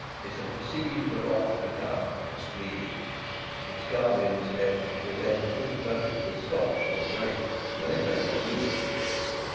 It had perceived the wrath to come and was fleeing. Its guardians had evidently left it imperfectly scotched or braked, and it had got loose.